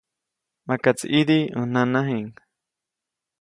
Makaʼtsi ʼidi ʼäj nanajiʼŋ.